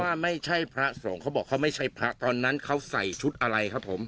ว่าไม่ใช่พระสงฆ์เขาบอกเขาไม่ใช่พระตอนนั้นเขาใส่ชุดอะไรครับผม